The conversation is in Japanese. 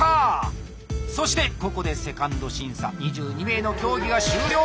そしてここで２ｎｄ審査２２名の競技は終了。